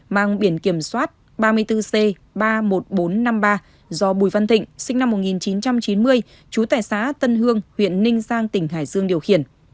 mang biển kiểm soát ba mươi bốn c ba mươi một nghìn bốn trăm năm mươi ba do bùi văn thịnh sinh năm một nghìn chín trăm chín mươi chú tài xã tân hương huyện ninh giang tỉnh hải dương điều khiển